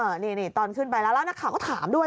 อ้าวนี่ตอนขึ้นไปแล้วนักข่าก็ถามด้วย